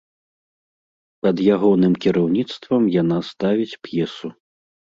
Пад ягоным кіраўніцтвам яна ставіць п'есу.